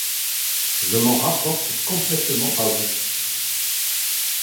Je m’en rapporte complètement à vous.